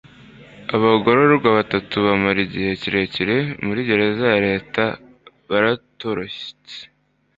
abagororwa batatu bamara igihe kirekire muri gereza ya leta baratorotse